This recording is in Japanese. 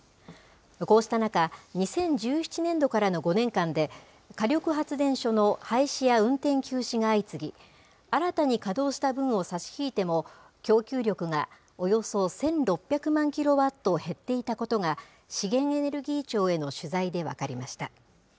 こうした中、２０１７年度からの５年間で、火力発電所の廃止や運転休止が相次ぎ、新たに稼働した分を差し引いても、供給力がおよそ１６００万キロワット減っていたことが、資源エネルギー庁への取材で分かりました。